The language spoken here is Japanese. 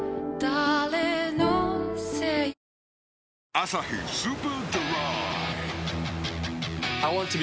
「アサヒスーパードライ」